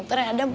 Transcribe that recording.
ntar yang adem